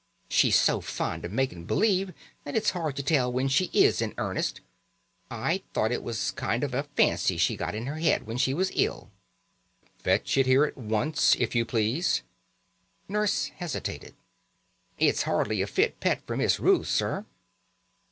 She's so fond of making believe that it's hard to tell when she is in earnest. I thought it was a kind of a fancy she got in her head when she was ill." "Fetch it here at once, if you please." Nurse hesitated. "It's hardly a fit pet for Miss Ruth, sir."